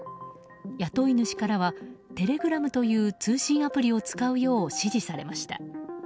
雇い主からはテレグラムという通信アプリを使うよう指示されました。